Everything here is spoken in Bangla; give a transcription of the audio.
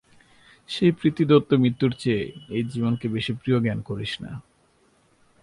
সেই পিতৃদত্ত মৃত্যুর চেয়ে এই জীবনকে বেশি প্রিয় জ্ঞান করিস না।